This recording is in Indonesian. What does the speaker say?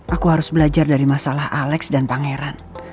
aku harus belajar dari masalah alex dan pangeran